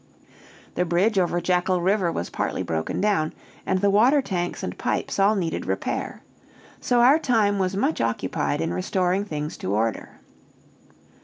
The bridge over Jackal River was partly broken down, and the water tanks and pipes all needed repair. So our time was much occupied in restoring things to order.